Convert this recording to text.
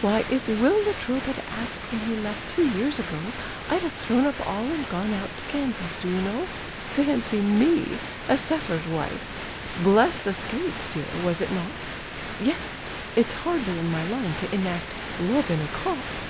Why, if Will Latrobe had asked When he left two years ago, I'd have thrown up all and gone Out to Kansas, do you know? Fancy me a settler's wife! Blest escape, dear, was it not? Yes; it's hardly in my line To enact "Love in a Cot."